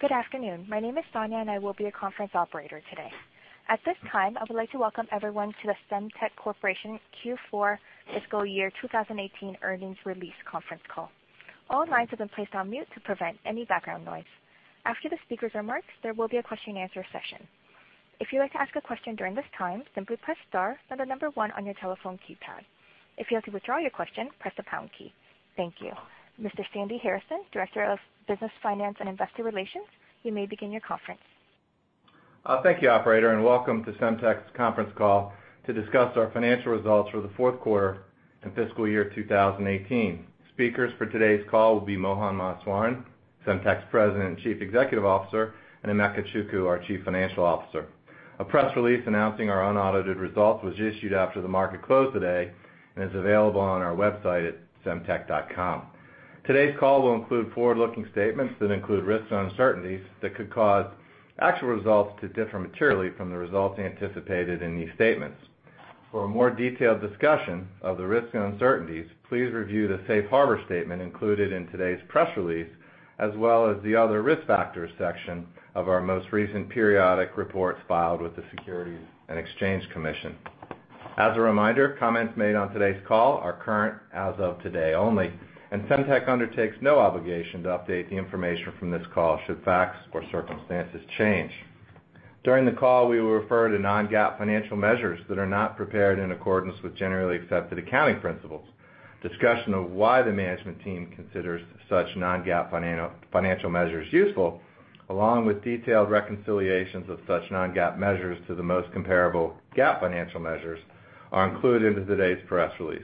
Good afternoon. My name is Sonia and I will be your conference operator today. At this time, I would like to welcome everyone to the Semtech Corporation Q4 Fiscal Year 2018 Earnings Release Conference Call. All lines have been placed on mute to prevent any background noise. After the speakers' remarks, there will be a question and answer session. If you would like to ask a question during this time, simply press star, followed by the number one on your telephone keypad. If you'd like to withdraw your question, press the pound key. Thank you. Mr. Sandy Harrison, Director of Business Finance and Investor Relations, you may begin your conference. Thank you, operator. Welcome to Semtech's conference call to discuss our financial results for the fourth quarter and fiscal year 2018. Speakers for today's call will be Mohan Maheswaran, Semtech's President and Chief Executive Officer, and Emeka Chukwu, our Chief Financial Officer. A press release announcing our unaudited results was issued after the market close today and is available on our website at semtech.com. Today's call will include forward-looking statements that include risks and uncertainties that could cause actual results to differ materially from the results anticipated in these statements. For a more detailed discussion of the risks and uncertainties, please review the safe harbor statement included in today's press release, as well as the other risk factors section of our most recent periodic reports filed with the Securities and Exchange Commission. As a reminder, comments made on today's call are current as of today only. Semtech undertakes no obligation to update the information from this call should facts or circumstances change. During the call, we will refer to non-GAAP financial measures that are not prepared in accordance with generally accepted accounting principles. Discussion of why the management team considers such non-GAAP financial measures useful, along with detailed reconciliations of such non-GAAP measures to the most comparable GAAP financial measures, are included in today's press release.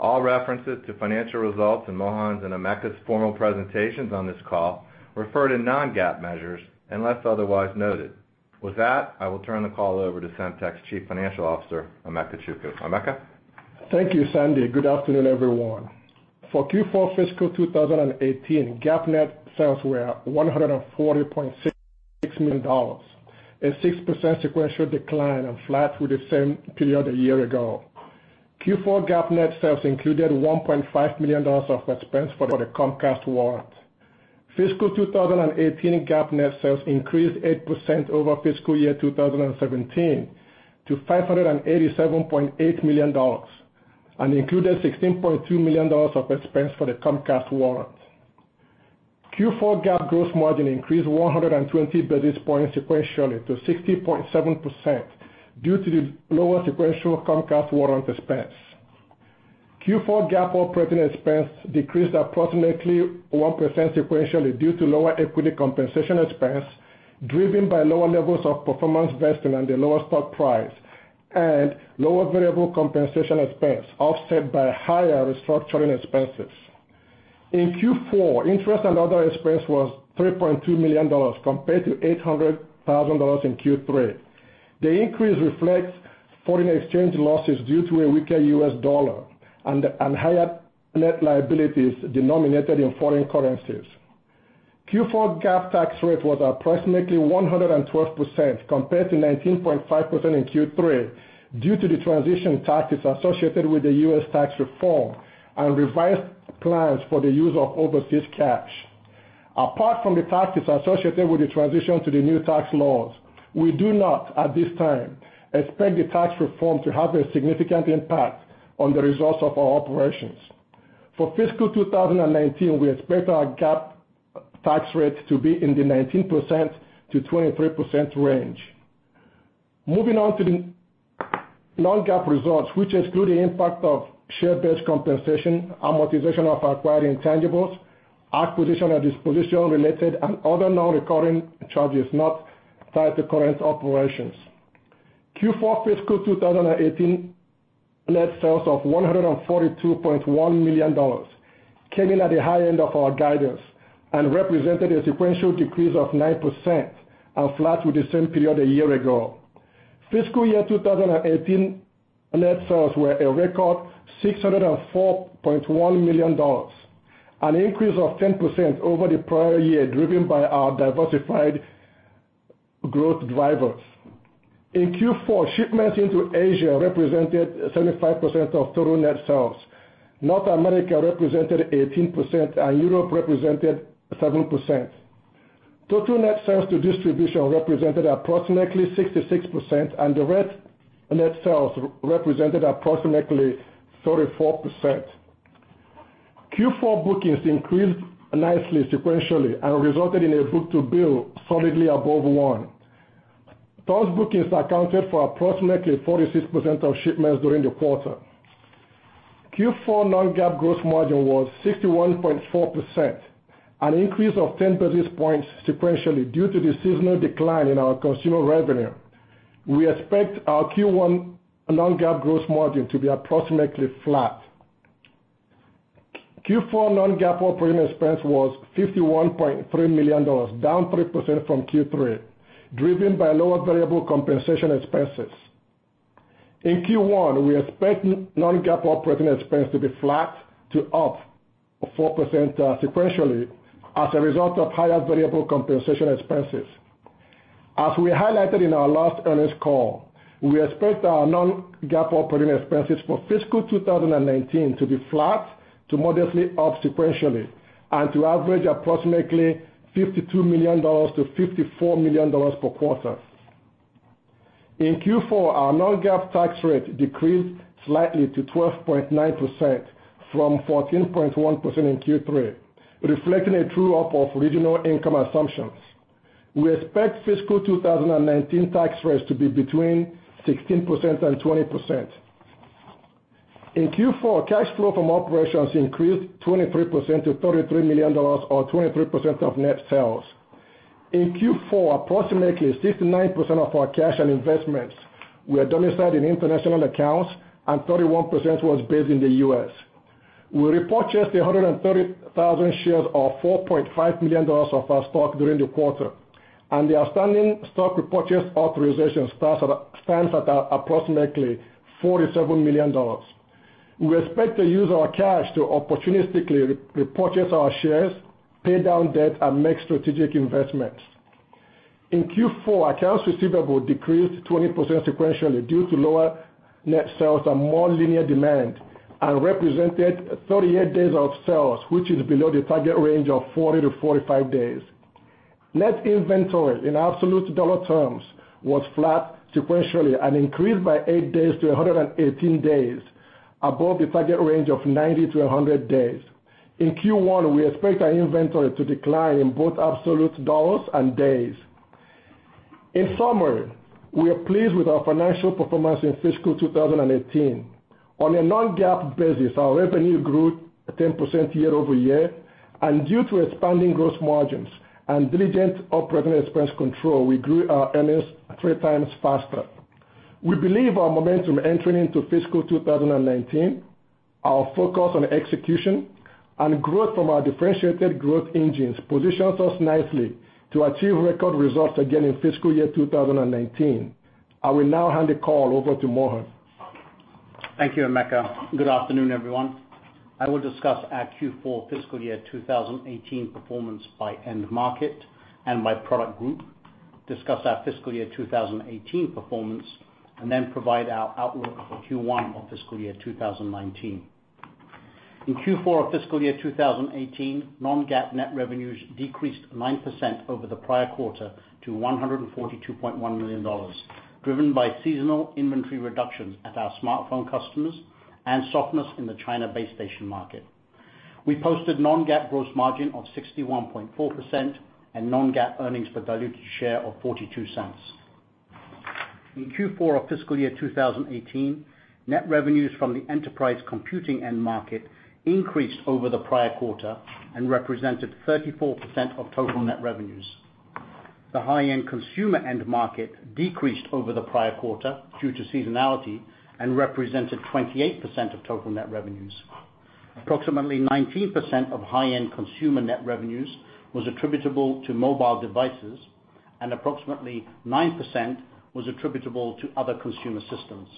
All references to financial results in Mohan's and Emeka's formal presentations on this call refer to non-GAAP measures unless otherwise noted. With that, I will turn the call over to Semtech's Chief Financial Officer, Emeka Chukwu. Emeka? Thank you, Sandy. Good afternoon, everyone. For Q4 fiscal 2018, GAAP net sales were $140.6 million, a 6% sequential decline and flat with the same period a year ago. Q4 GAAP net sales included $1.5 million of expense for the Comcast warrant. Fiscal 2018 GAAP net sales increased 8% over fiscal year 2017 to $587.8 million and included $16.2 million of expense for the Comcast warrant. Q4 GAAP gross margin increased 120 basis points sequentially to 60.7% due to the lower sequential Comcast warrant expense. Q4 GAAP operating expense decreased approximately 1% sequentially due to lower equity compensation expense, driven by lower levels of performance vesting and a lower stock price, and lower variable compensation expense offset by higher restructuring expenses. In Q4, interest and other expense was $3.2 million, compared to $800,000 in Q3. The increase reflects foreign exchange losses due to a weaker US dollar and higher net liabilities denominated in foreign currencies. Q4 GAAP tax rate was approximately 112%, compared to 19.5% in Q3, due to the transition taxes associated with the U.S. tax reform and revised plans for the use of overseas cash. Apart from the taxes associated with the transition to the new tax laws, we do not, at this time, expect the tax reform to have a significant impact on the results of our operations. For fiscal 2019, we expect our GAAP tax rate to be in the 19%-23% range. Moving on to the non-GAAP results, which exclude the impact of share-based compensation, amortization of acquired intangibles, acquisition or disposition related, and other non-recurring charges not tied to current operations. Q4 fiscal 2018 net sales of $142.1 million came in at the high end of our guidance and represented a sequential decrease of 9% and flat with the same period a year ago. Fiscal year 2018 net sales were a record $604.1 million, an increase of 10% over the prior year, driven by our diversified growth drivers. In Q4, shipments into Asia represented 75% of total net sales. North America represented 18%, and Europe represented 7%. Total net sales to distribution represented approximately 66%, and direct net sales represented approximately 34%. Q4 bookings increased nicely sequentially and resulted in a book-to-bill solidly above one. Those bookings accounted for approximately 46% of shipments during the quarter. Q4 non-GAAP gross margin was 61.4%, an increase of 10 basis points sequentially due to the seasonal decline in our consumer revenue. We expect our Q1 non-GAAP gross margin to be approximately flat. Q4 non-GAAP operating expense was $51.3 million, down 3% from Q3, driven by lower variable compensation expenses. In Q1, we expect non-GAAP operating expense to be flat to up 4% sequentially as a result of higher variable compensation expenses. As we highlighted in our last earnings call, we expect our non-GAAP operating expenses for fiscal 2019 to be flat to modestly up sequentially and to average approximately $52 million-$54 million per quarter. In Q4, our non-GAAP tax rate decreased slightly to 12.9% from 14.1% in Q3, reflecting a true-up of regional income assumptions. We expect fiscal 2019 tax rates to be between 16% and 20%. In Q4, cash flow from operations increased 23% to $33 million or 23% of net sales. In Q4, approximately 69% of our cash and investments were domiciled in international accounts and 31% was based in the U.S. We repurchased 130,000 shares of $4.5 million of our stock during the quarter, the outstanding stock repurchase authorization stands at approximately $47 million. We expect to use our cash to opportunistically repurchase our shares, pay down debt and make strategic investments. In Q4, accounts receivable decreased 20% sequentially due to lower net sales and more linear demand and represented 38 days of sales, which is below the target range of 40-45 days. Net inventory in absolute dollar terms was flat sequentially and increased by eight days to 118 days above the target range of 90-100 days. In Q1, we expect our inventory to decline in both absolute dollars and days. In summary, we are pleased with our financial performance in fiscal 2018. On a non-GAAP basis, our revenue grew 10% year-over-year and due to expanding gross margins and diligent operating expense control, we grew our earnings three times faster. We believe our momentum entering into fiscal 2019, our focus on execution and growth from our differentiated growth engines positions us nicely to achieve record results again in fiscal year 2019. I will now hand the call over to Mohan. Thank you, Emeka. Good afternoon, everyone. I will discuss our Q4 fiscal year 2018 performance by end market and by product group, discuss our fiscal year 2018 performance, then provide our outlook for Q1 of fiscal year 2019. In Q4 of fiscal year 2018, non-GAAP net revenues decreased 9% over the prior quarter to $142.1 million, driven by seasonal inventory reductions at our smartphone customers and softness in the China base station market. We posted non-GAAP gross margin of 61.4% and non-GAAP earnings per diluted share of $0.42. In Q4 of fiscal year 2018, net revenues from the enterprise computing end market increased over the prior quarter and represented 34% of total net revenues. The high-end consumer end market decreased over the prior quarter due to seasonality and represented 28% of total net revenues. Approximately 19% of high-end consumer net revenues was attributable to mobile devices and approximately 9% was attributable to other consumer systems.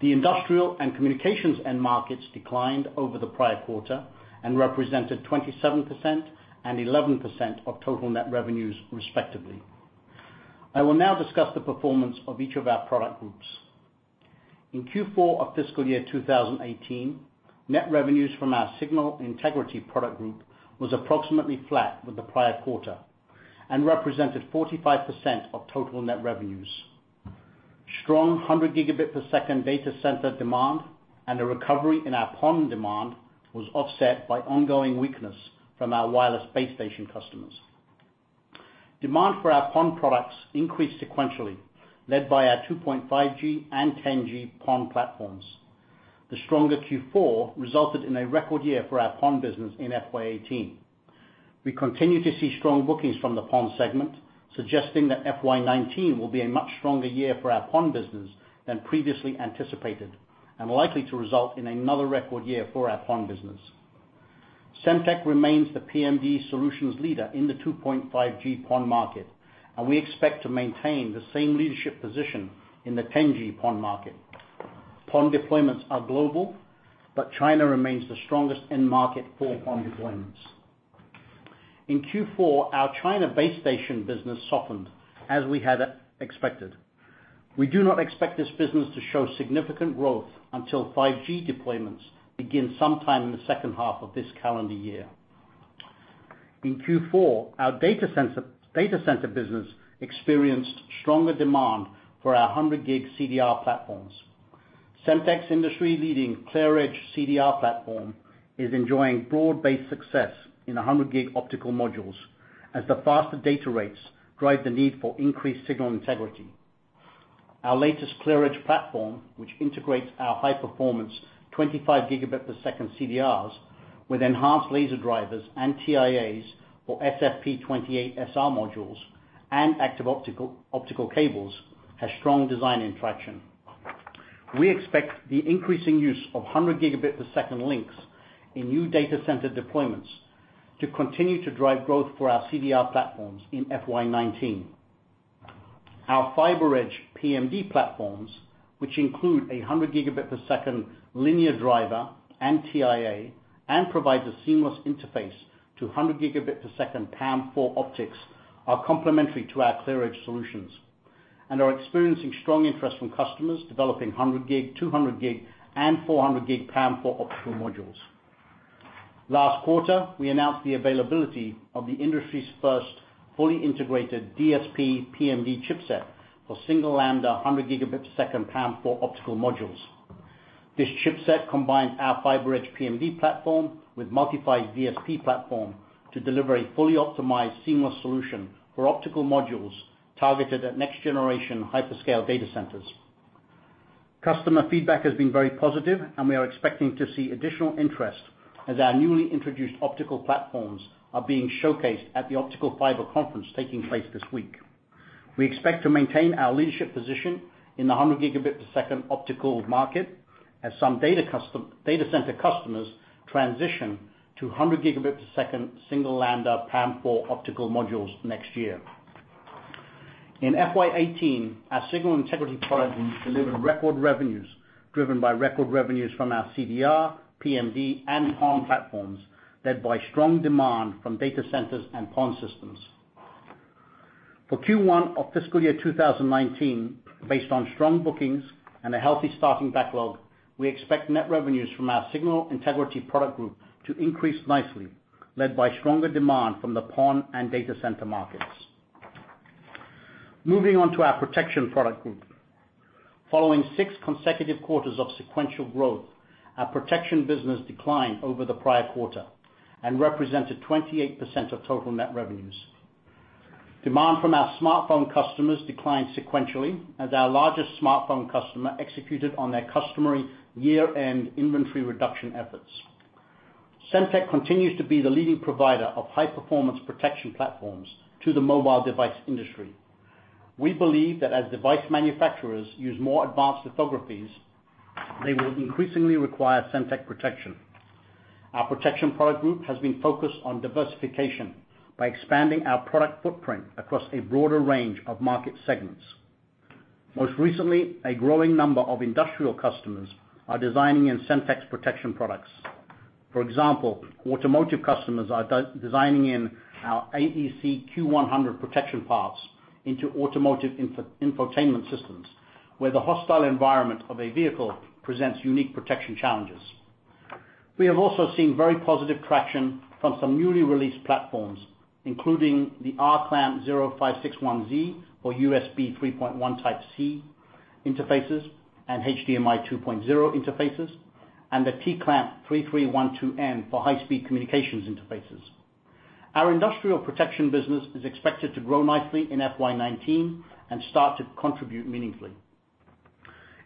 The industrial and communications end markets declined over the prior quarter and represented 27% and 11% of total net revenues respectively. I will now discuss the performance of each of our product groups. In Q4 of fiscal year 2018, net revenues from our signal integrity product group was approximately flat with the prior quarter and represented 45% of total net revenues. Strong 100 gigabit per second data center demand and a recovery in our PON demand was offset by ongoing weakness from our wireless base station customers. Demand for our PON products increased sequentially, led by our 2.5G and 10G PON platforms. The stronger Q4 resulted in a record year for our PON business in FY 2018. We continue to see strong bookings from the PON segment, suggesting that FY 2019 will be a much stronger year for our PON business than previously anticipated and likely to result in another record year for our PON business. Semtech remains the PMD solutions leader in the 2.5G PON market and we expect to maintain the same leadership position in the 10G PON market. PON deployments are global, but China remains the strongest end market for PON deployments. In Q4, our China base station business softened as we had expected. We do not expect this business to show significant growth until 5G deployments begin sometime in the second half of this calendar year. In Q4, our data center business experienced stronger demand for our 100G CDR platforms. Semtech's industry-leading ClearEdge CDR platform is enjoying broad-based success in 100G optical modules as the faster data rates drive the need for increased signal integrity. Our latest ClearEdge platform, which integrates our high performance 25 gigabit per second CDRs with enhanced laser drivers and TIAs or SFP 28 SR modules and active optical cables has strong design and traction. We expect the increasing use of 100 gigabit per second links in new data center deployments to continue to drive growth for our CDR platforms in FY 2019. Our FiberEdge PMD platforms, which include 100 gigabit per second linear driver and TIA, and provides a seamless interface to 100 gigabit per second PAM4 optics, are complementary to our ClearEdge solutions and are experiencing strong interest from customers developing 100 gig, 200 gig, and 400 gig PAM4 optical modules. Last quarter, we announced the availability of the industry's first fully integrated DSP PMD chipset for single lambda 100 gigabit per second PAM4 optical modules. This chipset combines our FiberEdge PMD platform with MultiPhy DSP platform to deliver a fully optimized, seamless solution for optical modules targeted at next generation hyperscale data centers. Customer feedback has been very positive. We are expecting to see additional interest as our newly introduced optical platforms are being showcased at the Optical Fiber Conference taking place this week. We expect to maintain our leadership position in the 100 gigabit per second optical market as some data center customers transition to 100 gigabit per second single lambda PAM4 optical modules next year. In FY 2018, our signal integrity product delivered record revenues, driven by record revenues from our CDR, PMD, and PON platforms, led by strong demand from data centers and PON systems. For Q1 of fiscal year 2019, based on strong bookings and a healthy starting backlog, we expect net revenues from our signal integrity product group to increase nicely, led by stronger demand from the PON and data center markets. Moving on to our protection product group. Following six consecutive quarters of sequential growth, our protection business declined over the prior quarter and represented 28% of total net revenues. Demand from our smartphone customers declined sequentially as our largest smartphone customer executed on their customary year-end inventory reduction efforts. Semtech continues to be the leading provider of high-performance protection platforms to the mobile device industry. We believe that as device manufacturers use more advanced lithographies, they will increasingly require Semtech protection. Our protection product group has been focused on diversification by expanding our product footprint across a broader range of market segments. Most recently, a growing number of industrial customers are designing in Semtech's protection products. For example, automotive customers are designing in our AEC-Q100 protection parts into automotive infotainment systems, where the hostile environment of a vehicle presents unique protection challenges. We have also seen very positive traction from some newly released platforms, including the RClamp0561Z for USB 3.1 Type-C interfaces and HDMI 2.0 interfaces, and the TClamp3312N for high-speed communications interfaces. Our industrial protection business is expected to grow nicely in FY 2019 and start to contribute meaningfully.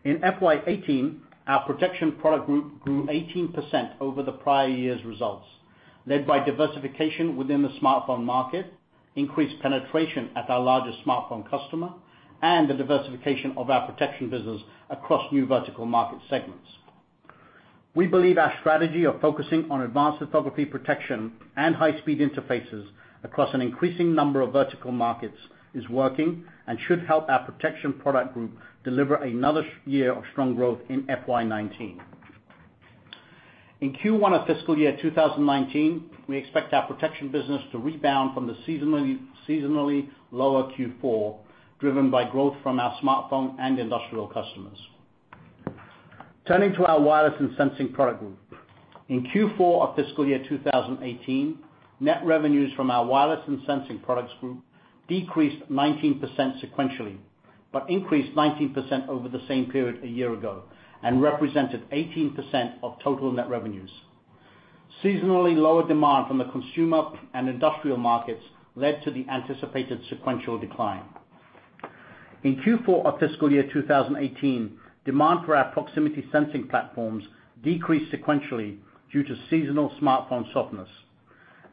In FY 2018, our protection product group grew 18% over the prior year's results, led by diversification within the smartphone market, increased penetration at our largest smartphone customer, and the diversification of our protection business across new vertical market segments. We believe our strategy of focusing on advanced lithography protection and high-speed interfaces across an increasing number of vertical markets is working and should help our protection product group deliver another year of strong growth in FY 2019. In Q1 of fiscal year 2019, we expect our protection business to rebound from the seasonally lower Q4, driven by growth from our smartphone and industrial customers. Turning to our wireless and sensing product group. In Q4 of fiscal year 2018, net revenues from our wireless and sensing products group decreased 19% sequentially, but increased 19% over the same period a year ago and represented 18% of total net revenues. Seasonally lower demand from the consumer and industrial markets led to the anticipated sequential decline. In Q4 of fiscal year 2018, demand for our proximity sensing platforms decreased sequentially due to seasonal smartphone softness.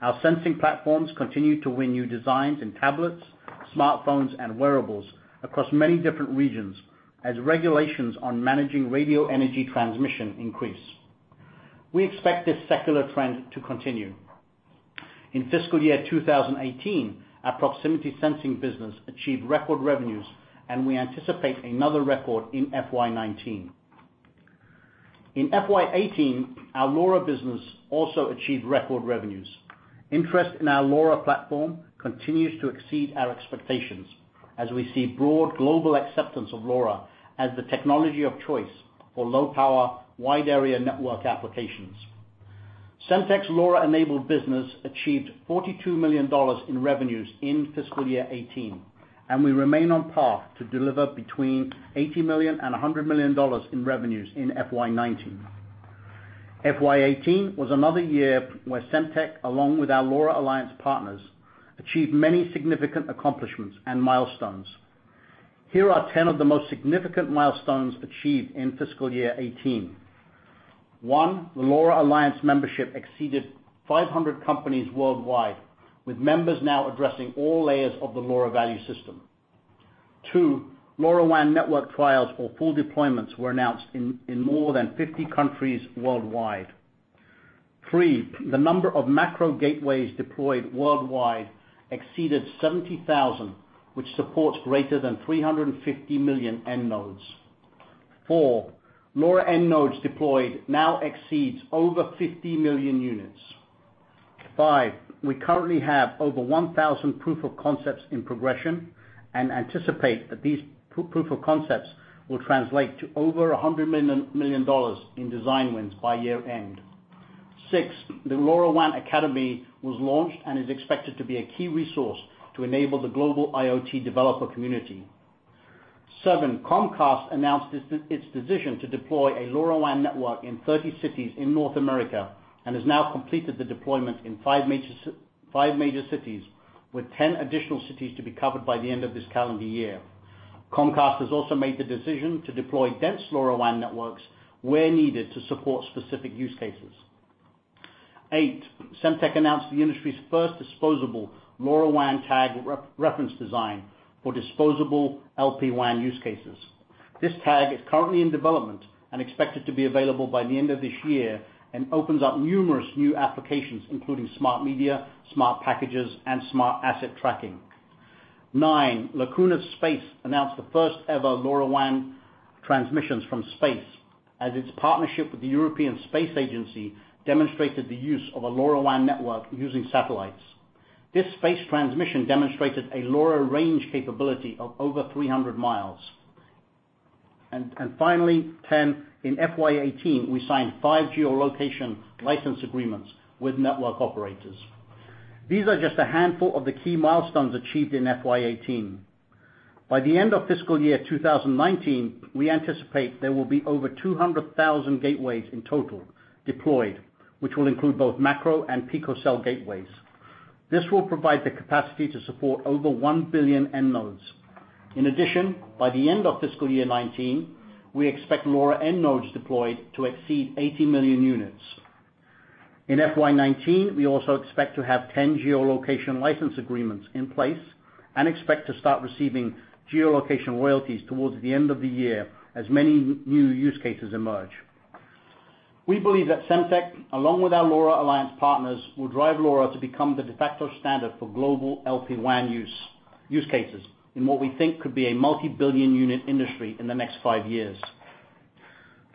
Our sensing platforms continue to win new designs in tablets, smartphones, and wearables across many different regions as regulations on managing radio energy transmission increase. We expect this secular trend to continue. In fiscal year 2018, our proximity sensing business achieved record revenues, and we anticipate another record in FY 2019. In FY 2018, our LoRa business also achieved record revenues. Interest in our LoRa platform continues to exceed our expectations as we see broad global acceptance of LoRa as the technology of choice for low-power, wide-area network applications. Semtech's LoRa-enabled business achieved $42 million in revenues in fiscal year 2018, and we remain on path to deliver between $80 million and $100 million in revenues in FY 2019. FY 2018 was another year where Semtech, along with our LoRa Alliance partners, achieved many significant accomplishments and milestones. Here are 10 of the most significant milestones achieved in fiscal year 2018. One, the LoRa Alliance membership exceeded 500 companies worldwide, with members now addressing all layers of the LoRa value system. Two, LoRaWAN network trials for full deployments were announced in more than 50 countries worldwide. Three, the number of macro gateways deployed worldwide exceeded 70,000, which supports greater than 350 million end nodes. Four, LoRa end nodes deployed now exceeds over 50 million units. Five, we currently have over 1,000 proof of concepts in progression and anticipate that these proof of concepts will translate to over $100 million in design wins by year-end. Six, the LoRaWAN Academy was launched and is expected to be a key resource to enable the global IoT developer community. Seven, Comcast announced its decision to deploy a LoRaWAN network in 30 cities in North America, and has now completed the deployment in five major cities, with 10 additional cities to be covered by the end of this calendar year. Comcast has also made the decision to deploy dense LoRaWAN networks where needed to support specific use cases. Eight, Semtech announced the industry's first disposable LoRaWAN tag reference design for disposable LPWAN use cases. This tag is currently in development and expected to be available by the end of this year and opens up numerous new applications, including smart media, smart packages, and smart asset tracking. Nine, Lacuna Space announced the first-ever LoRaWAN transmissions from space as its partnership with the European Space Agency demonstrated the use of a LoRaWAN network using satellites. This space transmission demonstrated a LoRa range capability of over 300 miles. Finally, 10, in FY 2018, we signed five geolocation license agreements with network operators. These are just a handful of the key milestones achieved in FY 2018. By the end of fiscal year 2019, we anticipate there will be over 200,000 gateways in total deployed, which will include both macro and picocell gateways. This will provide the capacity to support over 1 billion end nodes. In addition, by the end of fiscal year 2019, we expect LoRa end nodes deployed to exceed 80 million units. In FY 2019, we also expect to have 10 geolocation license agreements in place and expect to start receiving geolocation royalties towards the end of the year as many new use cases emerge. We believe that Semtech, along with our LoRa Alliance partners, will drive LoRa to become the de facto standard for global LPWAN use cases in what we think could be a multi-billion unit industry in the next five years.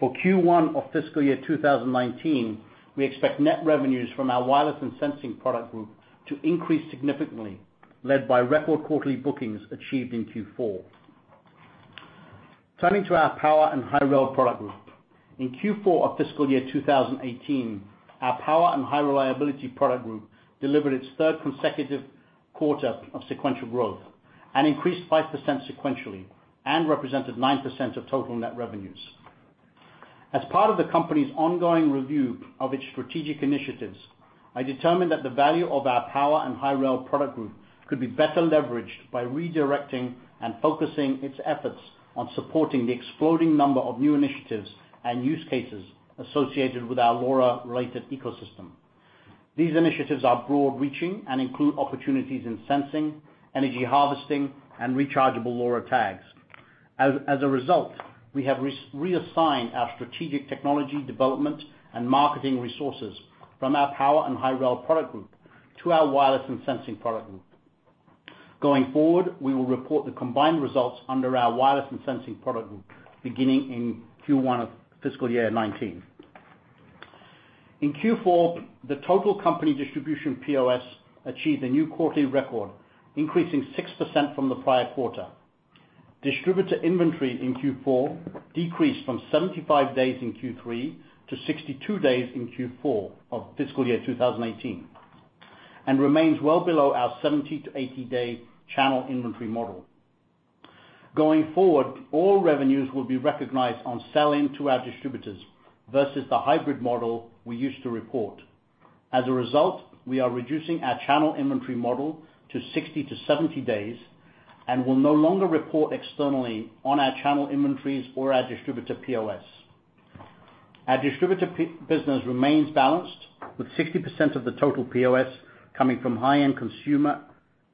For Q1 of fiscal year 2019, we expect net revenues from our wireless and sensing product group to increase significantly, led by record quarterly bookings achieved in Q4. Turning to our power and high rel Product Group. In Q4 of fiscal year 2018, our power and high reliability product group delivered its third consecutive quarter of sequential growth and increased 5% sequentially and represented 9% of total net revenues. As part of the company's ongoing review of its strategic initiatives, I determined that the value of our power and high rel product group could be better leveraged by redirecting and focusing its efforts on supporting the exploding number of new initiatives and use cases associated with our LoRa-related ecosystem. These initiatives are broad-reaching and include opportunities in sensing, energy harvesting, and rechargeable LoRa tags. As a result, we have reassigned our strategic technology development and marketing resources from our power and high rel product group to our wireless and sensing product group. Going forward, we will report the combined results under our wireless and sensing product group beginning in Q1 of fiscal year 2019. In Q4, the total company distribution POS achieved a new quarterly record, increasing 6% from the prior quarter. Distributor inventory in Q4 decreased from 75 days in Q3 to 62 days in Q4 of fiscal year 2018 and remains well below our 70-80-day channel inventory model. Going forward, all revenues will be recognized on sell-in to our distributors versus the hybrid model we used to report. As a result, we are reducing our channel inventory model to 60-70 days and will no longer report externally on our channel inventories or our distributor POS. Our distributor business remains balanced with 60% of the total POS coming from high-end consumer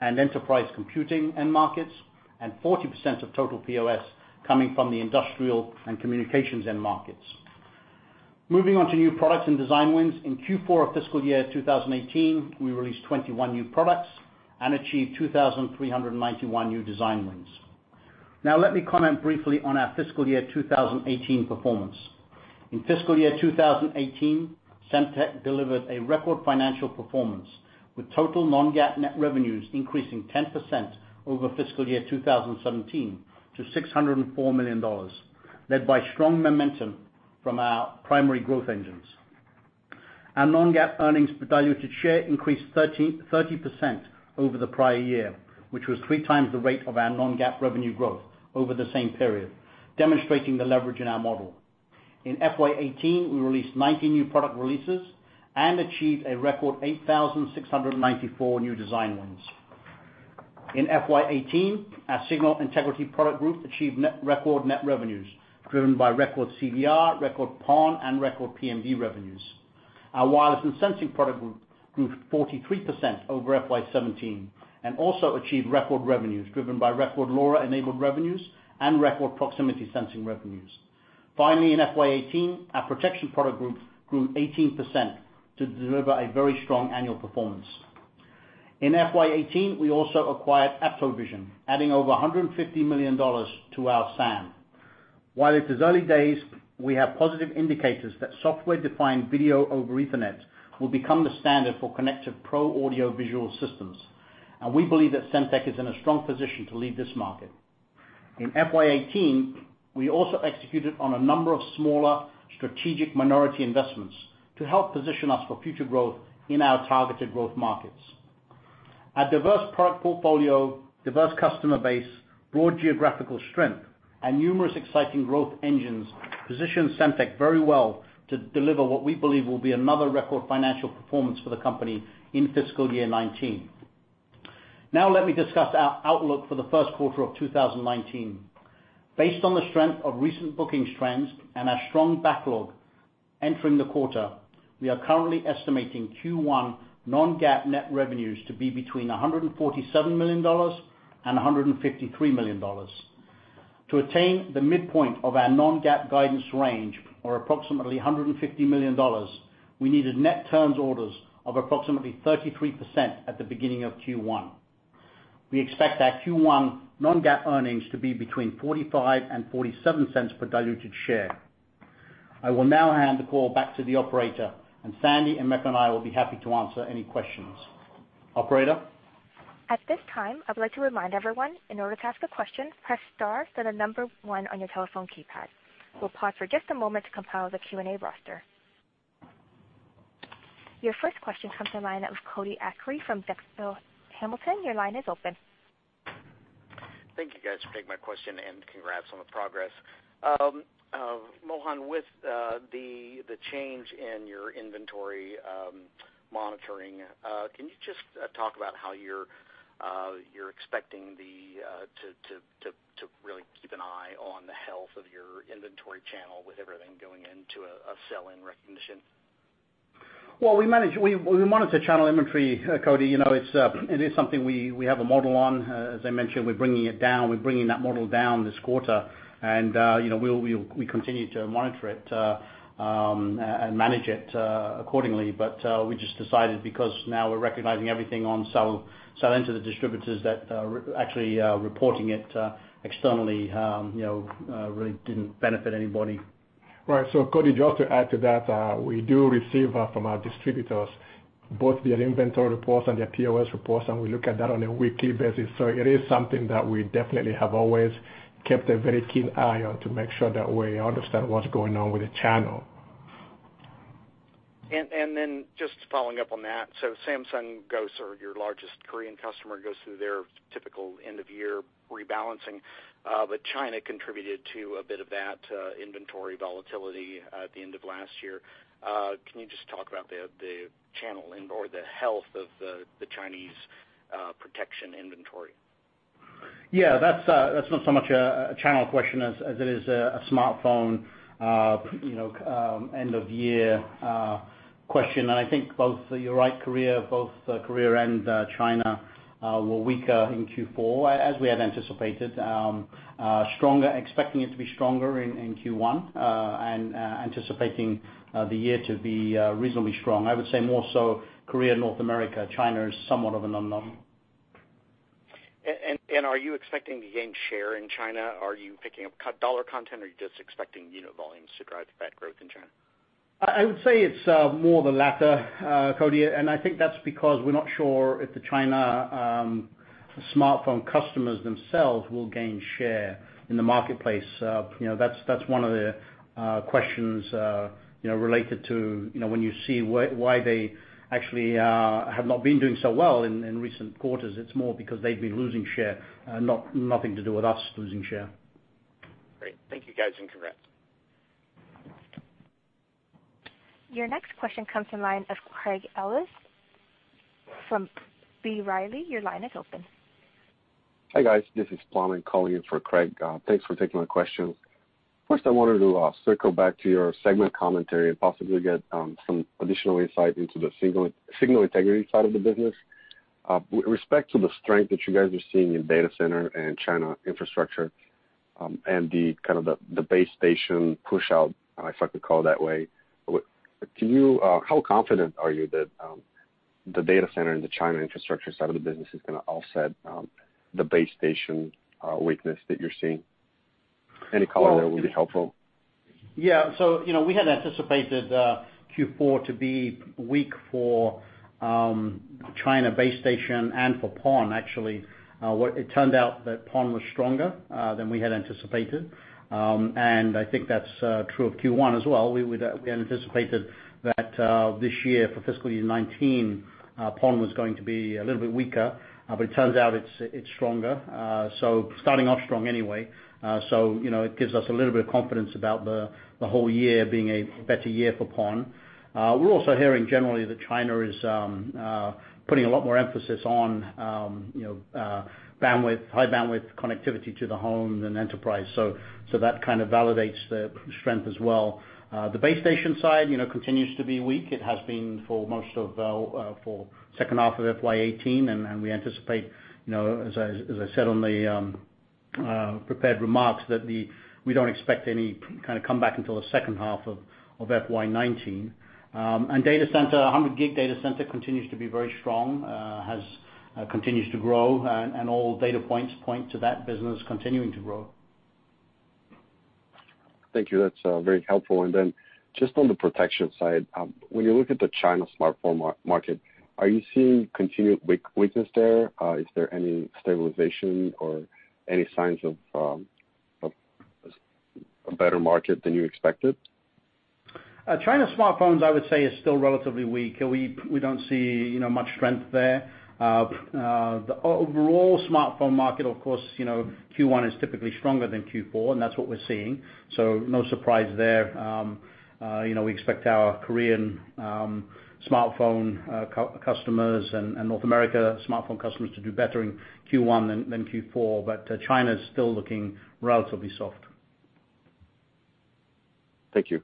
and enterprise computing end markets and 40% of total POS coming from the industrial and communications end markets. Moving on to new products and design wins. In Q4 of fiscal year 2018, we released 21 new products and achieved 2,391 new design wins. Now let me comment briefly on our fiscal year 2018 performance. In fiscal year 2018, Semtech delivered a record financial performance with total non-GAAP net revenues increasing 10% over fiscal year 2017 to $604 million, led by strong momentum from our primary growth engines. Our non-GAAP earnings per diluted share increased 30% over the prior year, which was three times the rate of our non-GAAP revenue growth over the same period, demonstrating the leverage in our model. In FY 2018, we released 90 new product releases and achieved a record 8,694 new design wins. In FY 2018, our signal integrity product group achieved record net revenues driven by record CDR, record PON, and record PMD revenues. Our wireless and sensing product group grew 43% over FY 2017 and also achieved record revenues driven by record LoRa-enabled revenues and record proximity sensing revenues. Finally, in FY 2018, our protection product group grew 18% to deliver a very strong annual performance. In FY 2018, we also acquired AptoVision, adding over $150 million to our SAM. While it is early days, we have positive indicators that Software-Defined Video over Ethernet will become the standard for connected pro audiovisual systems, and we believe that Semtech is in a strong position to lead this market. In FY 2018, we also executed on a number of smaller strategic minority investments to help position us for future growth in our targeted growth markets. Our diverse product portfolio, diverse customer base, broad geographical strength, and numerous exciting growth engines position Semtech very well to deliver what we believe will be another record financial performance for the company in fiscal year 2019. Let me discuss our outlook for the first quarter of 2019. Based on the strength of recent bookings trends and our strong backlog entering the quarter, we are currently estimating Q1 non-GAAP net revenues to be between $147 million and $153 million. To attain the midpoint of our non-GAAP guidance range, or approximately $150 million, we needed net turns orders of approximately 33% at the beginning of Q1. We expect our Q1 non-GAAP earnings to be between $0.45 and $0.47 per diluted share. I will now hand the call back to the operator, and Sandy, Emeka, and I will be happy to answer any questions. Operator? At this time, I would like to remind everyone, in order to ask a question, press star, then number one on your telephone keypad. We'll pause for just a moment to compile the Q&A roster. Your first question comes from the line of Cody Acree from Drexel Hamilton. Your line is open. Thank you, guys, for taking my question, and congrats on the progress. Mohan, with the change in your inventory monitoring, can you just talk about how you're expecting to really keep an eye on the health of your inventory channel with everything going into a sell-in recognition? Well, we monitor channel inventory, Cody. It is something we have a model on. As I mentioned, we're bringing that model down this quarter. We continue to monitor it and manage it accordingly. We just decided because now we're recognizing everything on sell-in into the distributors that actually reporting it externally really didn't benefit anybody. Right. Cody, just to add to that, we do receive from our distributors both their inventory reports and their POS reports, and we look at that on a weekly basis. It is something that we definitely have always kept a very keen eye on to make sure that we understand what's going on with the channel. Just following up on that, Samsung, your largest Korean customer, goes through their typical end-of-year rebalancing. China contributed to a bit of that inventory volatility at the end of last year. Can you just talk about the channel or the health of the Chinese protection inventory? Yeah. That's not so much a channel question as it is a smartphone end-of-year question. I think you're right, both Korea and China were weaker in Q4, as we had anticipated. Expecting it to be stronger in Q1, and anticipating the year to be reasonably strong. I would say more so Korea, North America. China is somewhat of an unknown. Are you expecting to gain share in China? Are you picking up dollar content, or are you just expecting unit volumes to drive that growth in China? I would say it's more the latter, Cody. I think that's because we're not sure if the China smartphone customers themselves will gain share in the marketplace. That's one of the questions related to when you see why they actually have not been doing so well in recent quarters. It's more because they've been losing share, nothing to do with us losing share. Great. Thank you, guys, and congrats. Your next question comes from the line of Craig Ellis from B. Riley. Your line is open. Hi, guys. This is Paul calling in for Craig. Thanks for taking my question. First, I wanted to circle back to your segment commentary and possibly get some additional insight into the signal integrity side of the business. With respect to the strength that you guys are seeing in data center and China infrastructure, and the base station pushout, if I could call it that way, how confident are you that the data center and the China infrastructure side of the business is going to offset the base station weakness that you're seeing? Any color there would be helpful. Yeah. We had anticipated Q4 to be weak for China base station and for PON, actually. It turned out that PON was stronger than we had anticipated, and I think that's true of Q1 as well. We had anticipated that this year, for fiscal year 2019, PON was going to be a little bit weaker. It turns out it's stronger. Starting off strong anyway. It gives us a little bit of confidence about the whole year being a better year for PON. We're also hearing generally that China is putting a lot more emphasis on high bandwidth connectivity to the home and enterprise, so that kind of validates the strength as well. The base station side continues to be weak. It has been for the second half of FY 2018, and we anticipate, as I said on the Prepared Remarks that we don't expect any kind of comeback until the second half of FY 2019. 100G data center continues to be very strong, continues to grow, and all data points point to that business continuing to grow. Thank you. That's very helpful. Just on the protection side, when you look at the China smartphone market, are you seeing continued weakness there? Is there any stabilization or any signs of a better market than you expected? China smartphones, I would say, is still relatively weak. We don't see much strength there. The overall smartphone market, of course, Q1 is typically stronger than Q4, and that's what we're seeing. No surprise there. We expect our Korean smartphone customers and North America smartphone customers to do better in Q1 than Q4. China's still looking relatively soft. Thank you.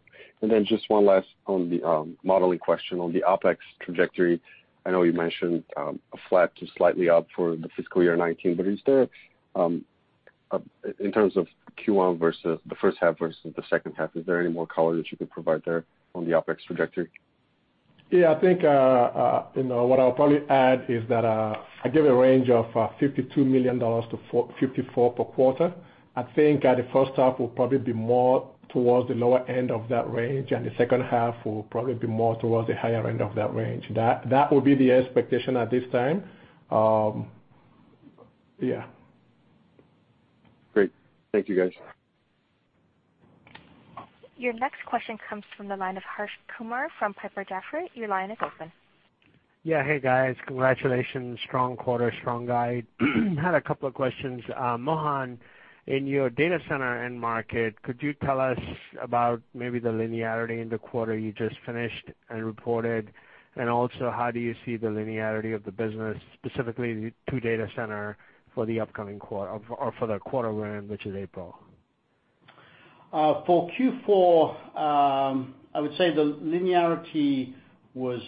Just one last on the modeling question, on the OpEx trajectory, I know you mentioned a flat to slightly up for the fiscal year 2019, in terms of the first half versus the second half, is there any more color that you could provide there on the OpEx trajectory? I think what I'll probably add is that I gave a range of $52 million-$54 million per quarter. I think the first half will probably be more towards the lower end of that range, the second half will probably be more towards the higher end of that range. That would be the expectation at this time. Great. Thank you, guys. Your next question comes from the line of Harsh Kumar from Piper Jaffray. Your line is open. Yeah. Hey, guys. Congratulations. Strong quarter, strong guide. Had a couple of questions. Mohan, in your data center end market, could you tell us about maybe the linearity in the quarter you just finished and reported? Also, how do you see the linearity of the business, specifically to data center, for the quarter we're in, which is April? For Q4, I would say the linearity was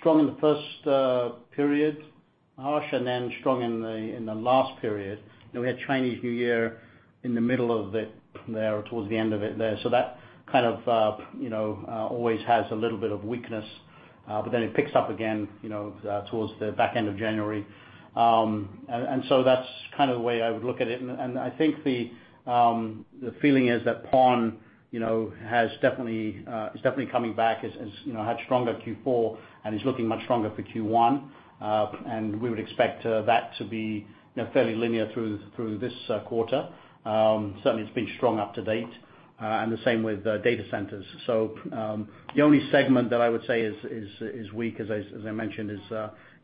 strong in the first period, Harsh, then strong in the last period. We had Chinese New Year in the middle of it there, towards the end of it there. That kind of always has a little bit of weakness. It picks up again towards the back end of January. That's kind of the way I would look at it. I think the feeling is that PON is definitely coming back, had stronger Q4 and is looking much stronger for Q1. We would expect that to be fairly linear through this quarter. Certainly, it's been strong up to date, and the same with data centers. The only segment that I would say is weak, as I mentioned,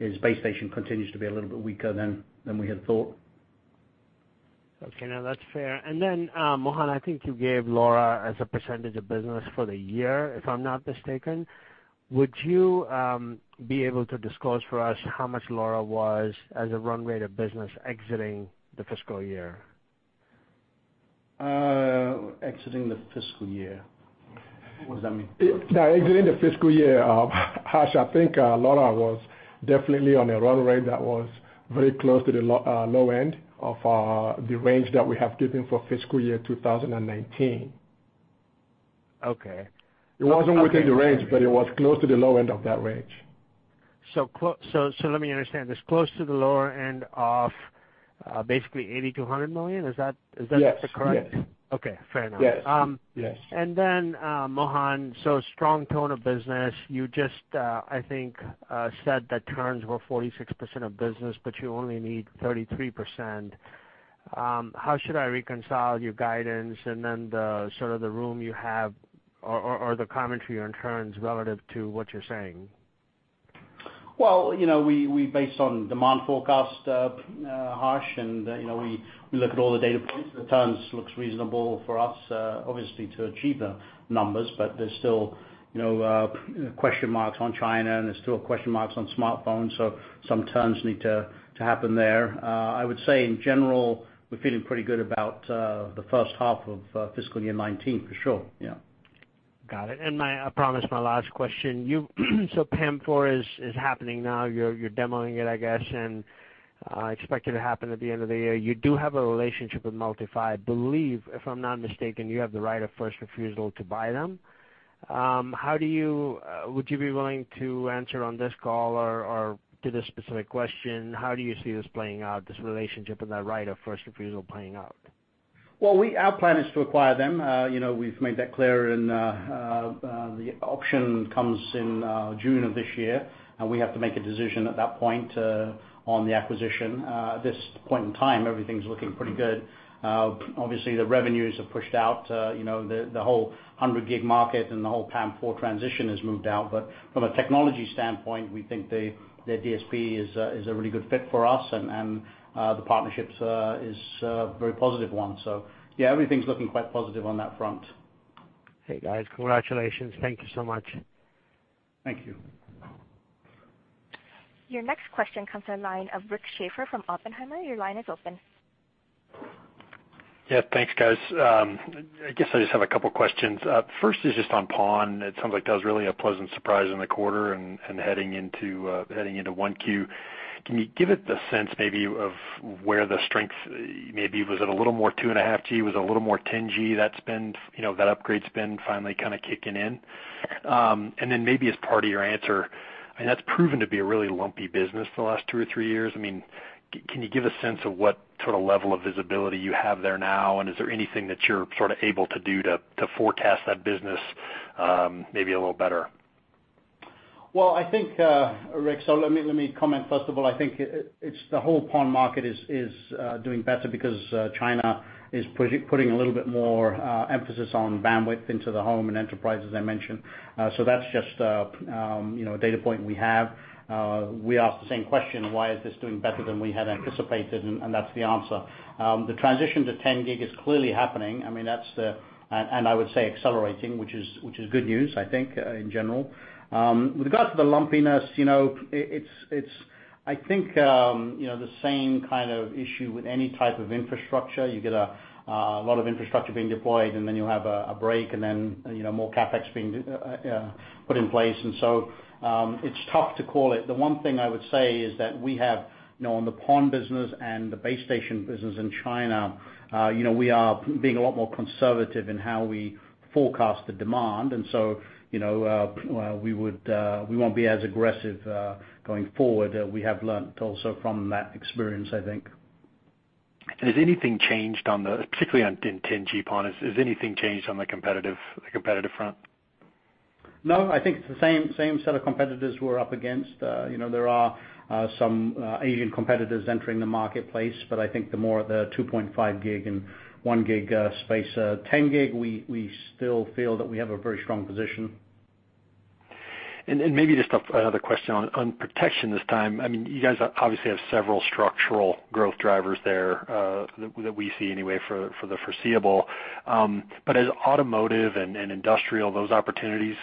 is base station continues to be a little bit weaker than we had thought. Okay, no, that's fair. Mohan, I think you gave LoRa as a % of business for the year, if I'm not mistaken. Would you be able to disclose for us how much LoRa was as a run rate of business exiting the fiscal year? Exiting the fiscal year. What does that mean? No, exiting the fiscal year, Harsh, I think LoRa was definitely on a run rate that was very close to the low end of the range that we have given for fiscal year 2019. Okay. It wasn't within the range, but it was close to the low end of that range. Let me understand this. Close to the lower end of basically $80 million-$100 million, is that? Yes correct? Okay, fair enough. Yes. Mohan, strong tone of business. You just, I think, said that turns were 46% of business, but you only need 33%. How should I reconcile your guidance and then the sort of the room you have or the commentary on turns relative to what you're saying? Well, based on demand forecast, Harsh, we look at all the data points, the turns looks reasonable for us, obviously, to achieve the numbers, but there's still question marks on China, and there's still question marks on smartphones, some turns need to happen there. I would say in general, we're feeling pretty good about the first half of fiscal year 2019 for sure. Yeah. Got it. I promise my last question. PAM4 is happening now. You're demoing it, I guess. I expect it to happen at the end of the year. You do have a relationship with MultiPhy. I believe, if I'm not mistaken, you have the right of first refusal to buy them. Would you be willing to answer on this call or to this specific question, how do you see this playing out, this relationship and that right of first refusal playing out? Our plan is to acquire them. We've made that clear, the option comes in June of this year, we have to make a decision at that point on the acquisition. At this point in time, everything's looking pretty good. Obviously, the revenues have pushed out. The whole 100G market and the whole PAM4 transition has moved out. From a technology standpoint, we think their DSP is a really good fit for us, and the partnership is a very positive one. Yeah, everything's looking quite positive on that front. Okay, guys. Congratulations. Thank you so much. Thank you. Your next question comes in line of Rick Schafer from Oppenheimer. Your line is open. Yeah. Thanks, guys. I guess I just have a couple questions. First is just on PON. It sounds like that was really a pleasant surprise in the quarter and heading into 1Q. Can you give it the sense maybe of where the strength maybe was at a little more 2.5G, was it a little more 10G that spend, that upgrade spend finally kind of kicking in? Then maybe as part of your answer, I mean, that's proven to be a really lumpy business the last two or three years. Can you give a sense of what sort of level of visibility you have there now, and is there anything that you're sort of able to do to forecast that business maybe a little better? Well, I think, Rick, let me comment, first of all, I think it's the whole PON market is doing better because China is putting a little bit more emphasis on bandwidth into the home and enterprise, as I mentioned. That's just a data point we have. We ask the same question, why is this doing better than we had anticipated? That's the answer. The transition to 10G is clearly happening. I mean, that's the I would say accelerating, which is good news, I think, in general. With regards to the lumpiness, it's I think the same kind of issue with any type of infrastructure. You get a lot of infrastructure being deployed, then you'll have a break, then more CapEx being put in place. It's tough to call it. The one thing I would say is that we have on the PON business and the base station business in China, we are being a lot more conservative in how we forecast the demand. We won't be as aggressive, going forward. We have learned also from that experience, I think. Has anything changed on the, particularly in 10G PON, has anything changed on the competitive front? No, I think it's the same set of competitors we're up against. There are some Asian competitors entering the marketplace, but I think the more the 2.5G and 1G space. 10G, we still feel that we have a very strong position. Maybe just another question on protection this time. I mean, you guys obviously have several structural growth drivers there, that we see anyway for the foreseeable. As automotive and industrial, those opportunities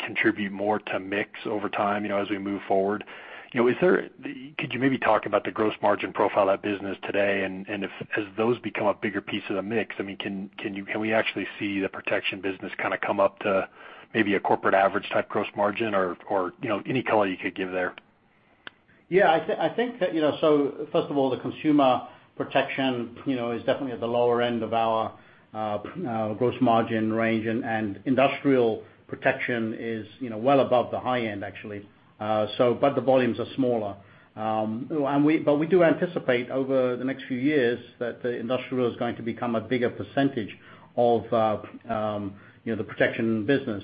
contribute more to mix over time as we move forward. Could you maybe talk about the gross margin profile of that business today? If as those become a bigger piece of the mix, can we actually see the protection business kind of come up to maybe a corporate average type gross margin or any color you could give there? Yeah, I think that, first of all, the consumer protection is definitely at the lower end of our gross margin range, and industrial protection is well above the high end, actually. The volumes are smaller. We do anticipate over the next few years that the industrial is going to become a bigger percentage of the protection business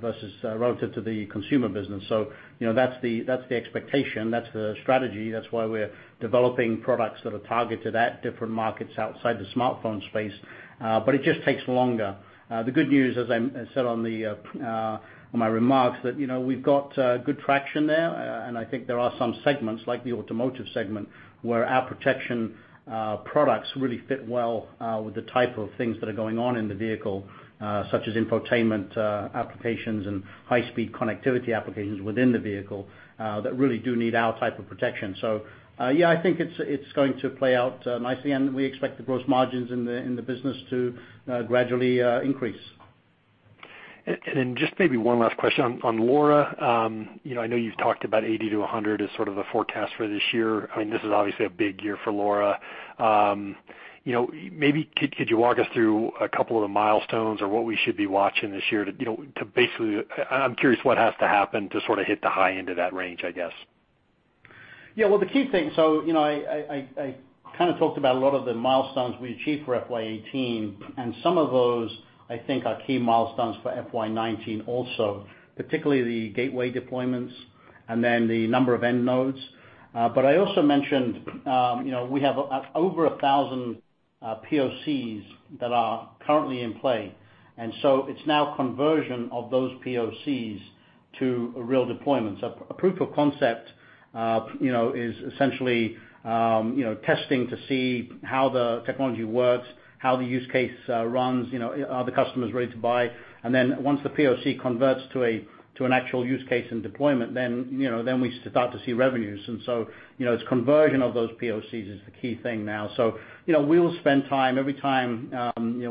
versus relative to the consumer business. That's the expectation. That's the strategy. That's why we're developing products that are targeted at different markets outside the smartphone space. It just takes longer. The good news, as I said on my remarks, that we've got good traction there, and I think there are some segments, like the automotive segment, where our protection products really fit well with the type of things that are going on in the vehicle, such as infotainment applications and high-speed connectivity applications within the vehicle, that really do need our type of protection. Yeah, I think it's going to play out nicely, and we expect the gross margins in the business to gradually increase. Just maybe one last question on LoRa. I know you've talked about 80 to 100 as sort of the forecast for this year. I mean, this is obviously a big year for LoRa. Maybe could you walk us through a couple of the milestones or what we should be watching this year to basically, I'm curious what has to happen to sort of hit the high end of that range, I guess. Yeah. The key thing, I kind of talked about a lot of the milestones we achieved for FY 2018, and some of those, I think are key milestones for FY 2019 also. Particularly the gateway deployments and then the number of end nodes. I also mentioned we have over 1,000 POCs that are currently in play. It's now conversion of those POCs to real deployments. A proof of concept is essentially testing to see how the technology works, how the use case runs, are the customers ready to buy? Once the POC converts to an actual use case and deployment, we start to see revenues. It's conversion of those POCs is the key thing now. We'll spend time every time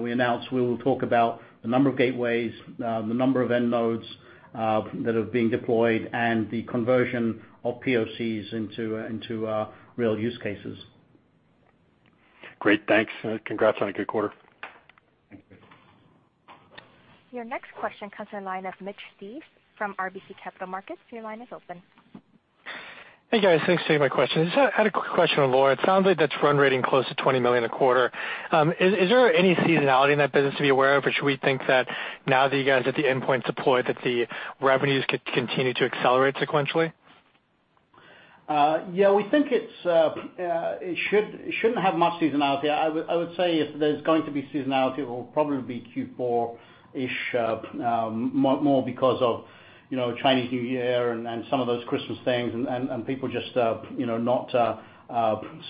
we announce, we will talk about the number of gateways, the number of end nodes that are being deployed, and the conversion of POCs into real use cases. Great. Thanks, congrats on a good quarter. Thank you. Your next question comes in line of Mitch Steves from RBC Capital Markets. Your line is open. Hey, guys. Thanks for taking my question. I just had a quick question on LoRa. It sounds like that's run rating close to $20 million a quarter. Is there any seasonality in that business to be aware of, or should we think that now that you guys are at the endpoint deploy, that the revenues could continue to accelerate sequentially? Yeah, we think it shouldn't have much seasonality. I would say if there's going to be seasonality, it will probably be Q4-ish, more because of Chinese New Year and then some of those Christmas things and people just not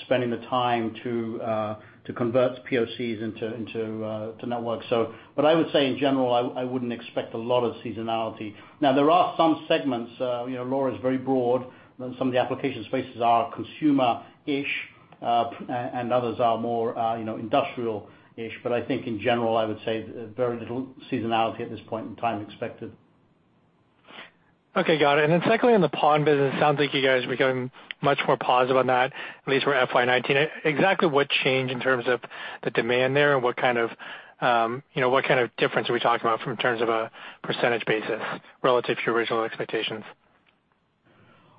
spending the time to convert POCs into networks. I would say in general, I wouldn't expect a lot of seasonality. Now, there are some segments, LoRa is very broad. Some of the application spaces are consumer-ish. Others are more industrial-ish. I think in general, I would say very little seasonality at this point in time expected. Okay, got it. Secondly, on the PON business, it sounds like you guys are becoming much more positive on that, at least for FY 2019. Exactly what changed in terms of the demand there, what kind of difference are we talking about from terms of a % basis relative to your original expectations?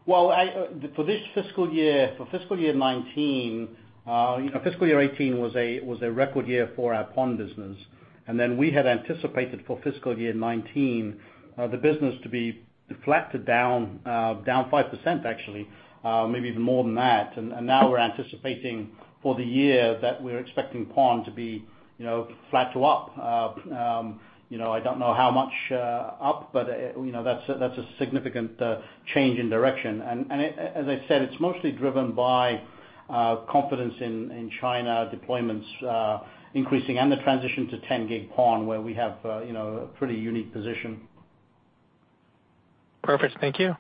Well, for fiscal year 2019, fiscal year 2018 was a record year for our PON business. We had anticipated for fiscal year 2019, the business to be flat to down 5%, actually. Maybe even more than that. Now we're anticipating for the year that we're expecting PON to be flat to up. I don't know how much up, that's a significant change in direction. As I said, it's mostly driven by confidence in China deployments increasing and the transition to 10G PON, where we have a pretty unique position. Perfect. Thank you.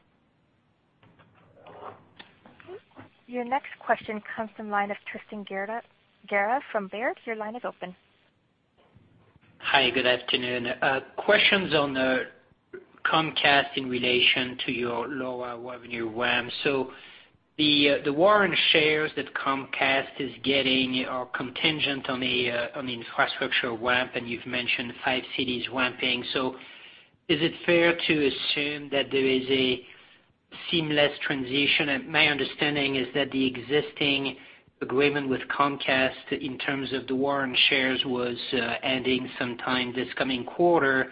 Your next question comes from the line of Tristan Gerra from Baird. Your line is open. Hi, good afternoon. Questions on Comcast in relation to your LoRa revenue ramp. The warrant shares that Comcast is getting are contingent on the infrastructure ramp, and you've mentioned five cities ramping. Is it fair to assume that there is a seamless transition? My understanding is that the existing agreement with Comcast, in terms of the warrant shares, was ending sometime this coming quarter,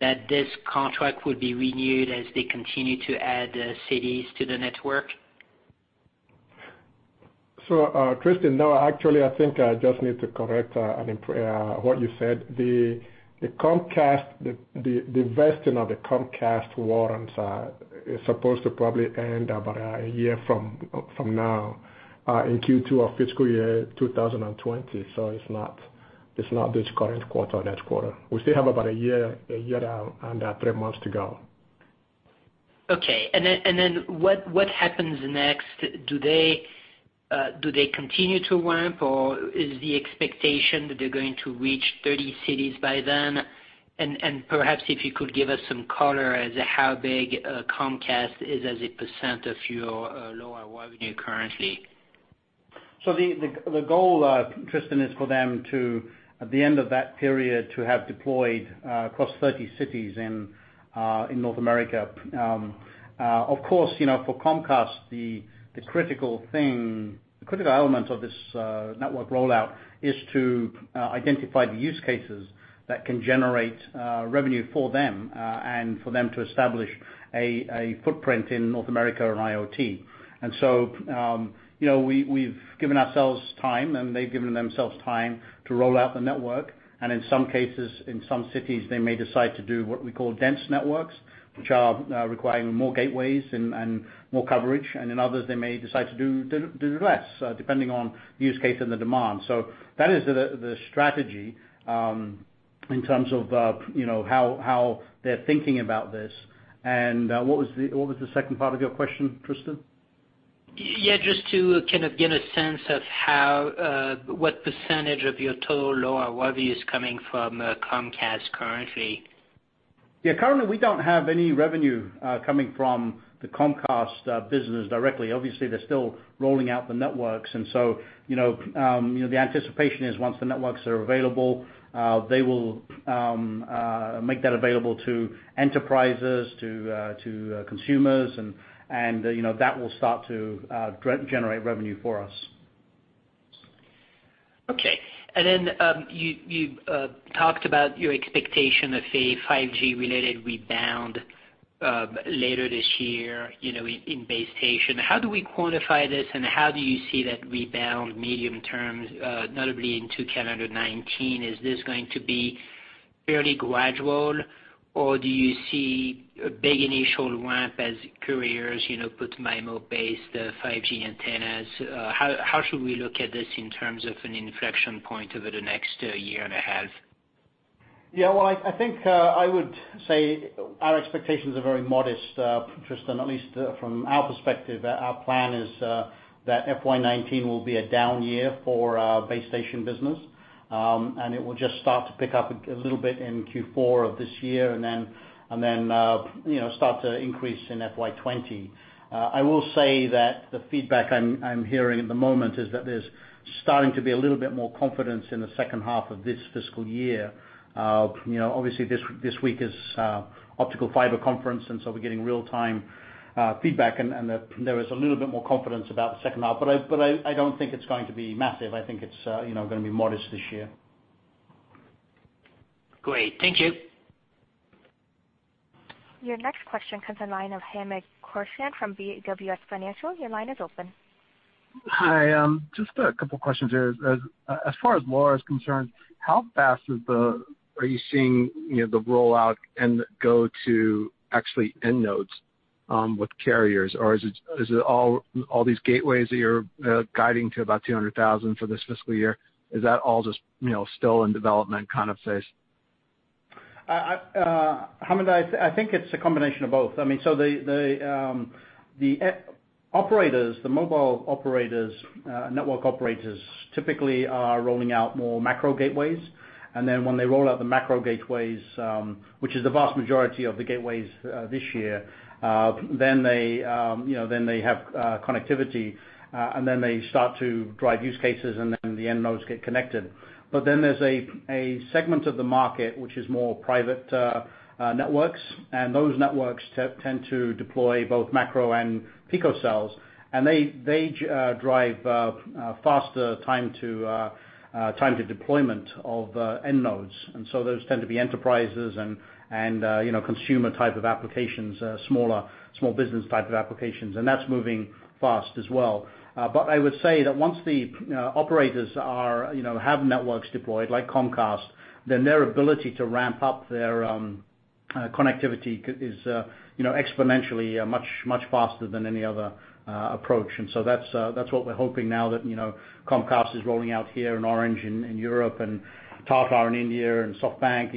that this contract would be renewed as they continue to add cities to the network. Tristan, no, actually, I think I just need to correct what you said. The vesting of the Comcast warrants is supposed to probably end about a year from now, in Q2 of FY 2020. It's not this current quarter or next quarter. We still have about a year out and three months to go. Okay. What happens next? Do they continue to ramp, or is the expectation that they're going to reach 30 cities by then? Perhaps if you could give us some color as to how big Comcast is as a % of your LoRa revenue currently. The goal, Tristan, is for them to, at the end of that period, to have deployed across 30 cities in North America. Of course, for Comcast, the critical element of this network rollout is to identify the use cases that can generate revenue for them, and for them to establish a footprint in North America on IoT. We've given ourselves time, and they've given themselves time to roll out the network. In some cases, in some cities, they may decide to do what we call dense networks, which are requiring more gateways and more coverage. In others, they may decide to do less, depending on the use case and the demand. That is the strategy, in terms of how they're thinking about this. What was the second part of your question, Tristan? Just to kind of get a sense of what % of your total LoRa revenue is coming from Comcast currently. Currently, we don't have any revenue coming from the Comcast business directly. Obviously, they're still rolling out the networks. The anticipation is once the networks are available, they will make that available to enterprises, to consumers, and that will start to generate revenue for us. Then you talked about your expectation of a 5G related rebound later this year, in base station. How do we quantify this, and how do you see that rebound medium term, notably into calendar 2019? Is this going to be fairly gradual, or do you see a big initial ramp as carriers put MIMO-based 5G antennas? How should we look at this in terms of an inflection point over the next year and a half? Well, I think I would say our expectations are very modest, Tristan, at least from our perspective. Our plan is that FY 2019 will be a down year for our base station business. It will just start to pick up a little bit in Q4 of this year, then start to increase in FY 2020. I will say that the feedback I'm hearing at the moment is that there's starting to be a little bit more confidence in the second half of this fiscal year. Obviously, this week is Optical Fiber Conference, and so we're getting real-time feedback, and there is a little bit more confidence about the second half. I don't think it's going to be massive. I think it's going to be modest this year. Great. Thank you. Your next question comes in line of Hamed Khorsand from BWS Financial. Your line is open. Hi. Just a couple questions here. As far as LoRa is concerned, how fast are you seeing the rollout and go to actually end nodes with carriers? Or is it all these gateways that you're guiding to about 200,000 for this fiscal year, is that all just still in development kind of phase? Hamed, I think it's a combination of both. The mobile operators, network operators, typically are rolling out more macro gateways. When they roll out the macro gateways, which is the vast majority of the gateways this year, they have connectivity, and then they start to drive use cases, and then the end nodes get connected. There's a segment of the market which is more private networks, and those networks tend to deploy both macro and picocells, and they drive faster time to deployment of end nodes. Those tend to be enterprises and consumer type of applications, small business type of applications, and that's moving fast as well. I would say that once the operators have networks deployed, like Comcast, their ability to ramp up their connectivity is exponentially much faster than any other approach. That's what we're hoping now that Comcast is rolling out here, and Orange in Europe, and Tata in India and SoftBank.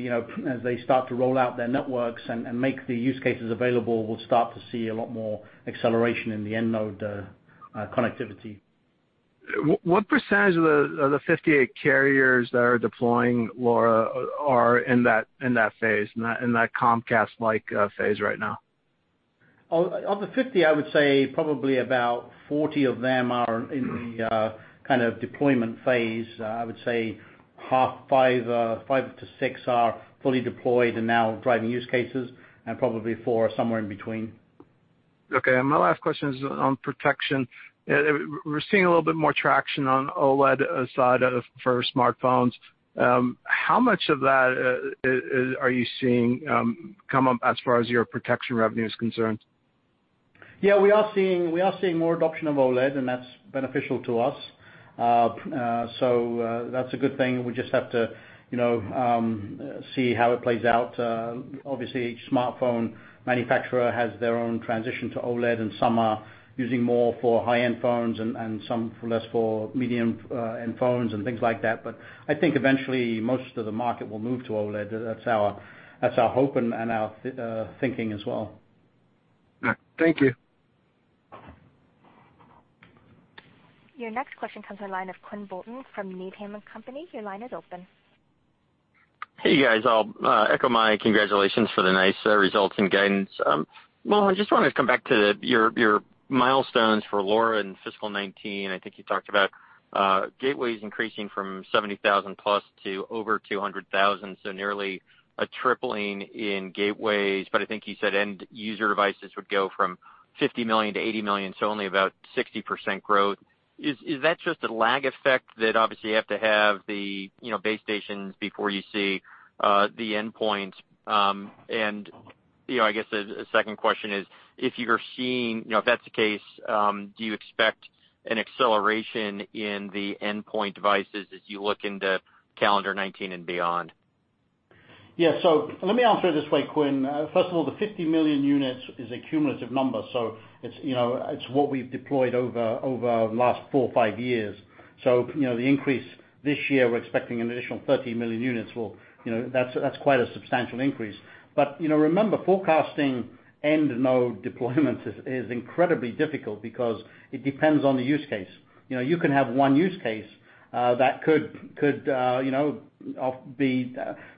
As they start to roll out their networks and make the use cases available, we'll start to see a lot more acceleration in the end node connectivity. What percentage of the 58 carriers that are deploying LoRa are in that phase, in that Comcast-like phase right now? Of the 50, I would say probably about 40 of them are in the deployment phase. I would say five to six are fully deployed and now driving use cases, and probably four are somewhere in between. Okay. My last question is on protection. We're seeing a little bit more traction on OLED side for smartphones. How much of that are you seeing come up as far as your protection revenue is concerned? Yeah, we are seeing more adoption of OLED, and that's beneficial to us. That's a good thing. We just have to see how it plays out. Obviously, each smartphone manufacturer has their own transition to OLED, and some are using more for high-end phones and some less for medium-end phones and things like that. I think eventually most of the market will move to OLED. That's our hope and our thinking as well. Thank you. Your next question comes from the line of Quinn Bolton from Needham & Company. Your line is open. Hey, guys. I'll echo my congratulations for the nice results and guidance. Mohan, I just wanted to come back to your milestones for LoRa in fiscal 2019. I think you talked about gateways increasing from 70,000-plus to over 200,000, so nearly a tripling in gateways. I think you said end user devices would go from 50 million to 80 million, so only about 60% growth. Is that just a lag effect that obviously you have to have the base stations before you see the endpoint? I guess a second question is, if that's the case, do you expect an acceleration in the endpoint devices as you look into calendar 2019 and beyond? Yeah. Let me answer it this way, Quinn. First of all, the 50 million units is a cumulative number, so it's what we've deployed over the last four or five years. The increase this year, we're expecting an additional 30 million units. That's quite a substantial increase. Remember, forecasting end node deployment is incredibly difficult because it depends on the use case. You can have one use case that could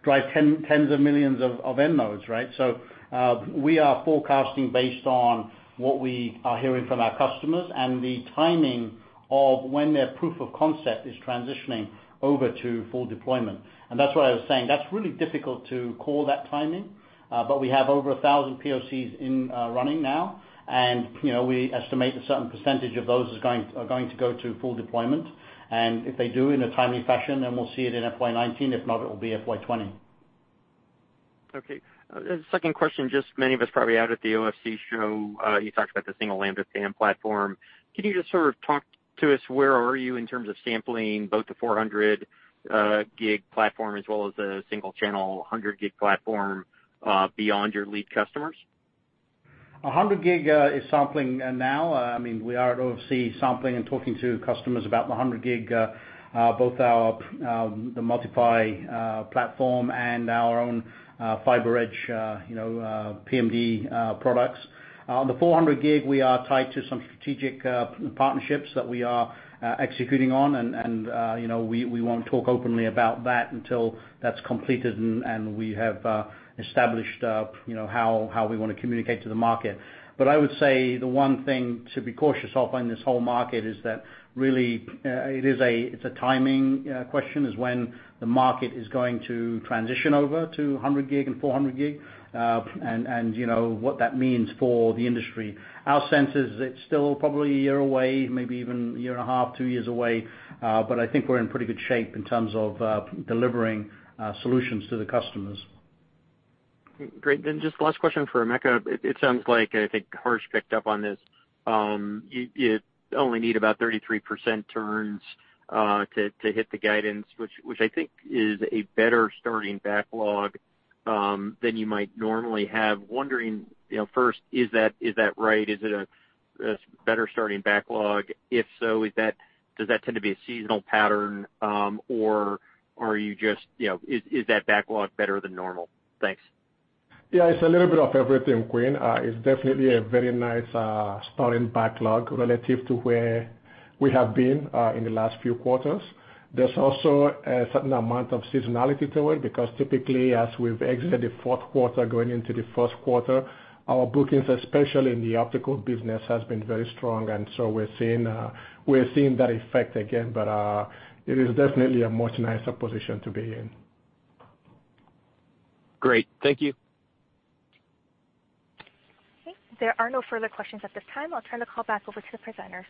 drive tens of millions of end nodes, right? We are forecasting based on what we are hearing from our customers and the timing of when their proof of concept is transitioning over to full deployment. That's what I was saying. That's really difficult to call that timing. We have over 1,000 POCs in running now, and we estimate a certain percentage of those are going to go to full deployment. If they do in a timely fashion, we'll see it in FY 2019. If not, it will be FY 2020. Okay. Second question, many of us probably out at the OFC show, you talked about the single lambda PAM platform. Can you sort of talk to us where are you in terms of sampling both the 400G platform as well as the single-channel 100G platform beyond your lead customers? 100G is sampling now. We are at OFC sampling and talking to customers about the 100G, both the MultiPhy platform and our own FiberEdge PMD products. The 400G, we are tied to some strategic partnerships that we are executing on, we won't talk openly about that until that's completed and we have established how we want to communicate to the market. I would say the one thing to be cautious of in this whole market is that really it's a timing question, is when the market is going to transition over to 100G and 400G, and what that means for the industry. Our sense is it's still probably a year away, maybe even a year and a half, two years away. I think we're in pretty good shape in terms of delivering solutions to the customers. Great. Just last question for Emeka. It sounds like, I think Harsh picked up on this. You only need about 33% turns to hit the guidance, which I think is a better starting backlog than you might normally have. Wondering, first, is that right? Is it a better starting backlog? If so, does that tend to be a seasonal pattern, or is that backlog better than normal? Thanks. It's a little bit of everything, Quinn. It's definitely a very nice starting backlog relative to where we have been in the last few quarters. There's also a certain amount of seasonality to it, because typically, as we've exited the fourth quarter going into the first quarter, our bookings, especially in the optical business, has been very strong. We're seeing that effect again. It is definitely a much nicer position to be in. Great. Thank you. Okay. There are no further questions at this time. I will turn the call back over to the presenters.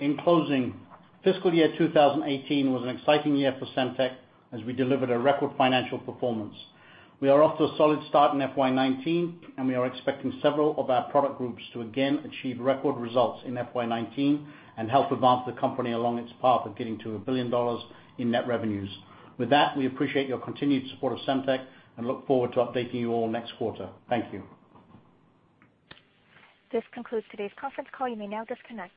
In closing, FY 2018 was an exciting year for Semtech as we delivered a record financial performance. We are off to a solid start in FY 2019. We are expecting several of our product groups to again achieve record results in FY 2019 and help advance the company along its path of getting to $1 billion in net revenues. With that, we appreciate your continued support of Semtech and look forward to updating you all next quarter. Thank you. This concludes today's conference call. You may now disconnect.